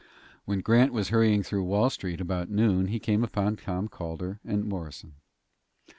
When Grant was hurrying through Wall Street about noon he came upon Tom Calder and Morrison.